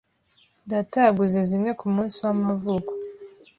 Data yaguze zimwe kumunsi w'amavuko.